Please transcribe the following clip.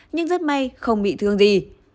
nhưng rất may không bị thương gì